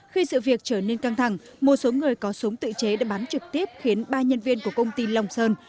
khi sự việc trở nên căng thẳng một số người có súng tự chế đã bán trực tiếp khiến ba nhân viên của công ty long sơn